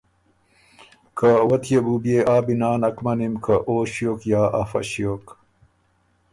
که وۀ تيې بُو بيې آ بِنا نک مَنِم که او ݭیوک یا افۀ ݭیوک۔